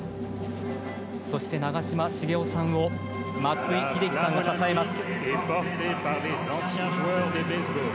そして、長嶋茂雄さんを松井秀喜さんが支えます。